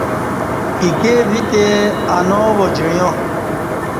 ایکے ویتے اناو وا جعیا۔